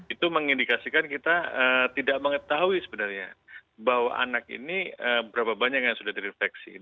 itu mengindikasikan kita tidak mengetahui sebenarnya bahwa anak ini berapa banyak yang sudah terinfeksi